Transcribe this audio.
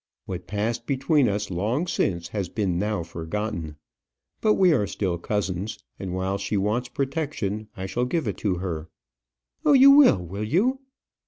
What passed between us long since has been now forgotten. But we are still cousins; and while she wants protection, I shall give it to her." "Oh, you will; will you?"